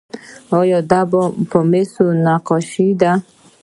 دا په مسو نقاشي ده.